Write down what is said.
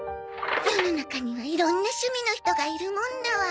世の中にはいろんな趣味の人がいるもんだわ。